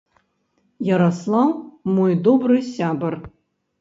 Яраслаў мой добры сябар.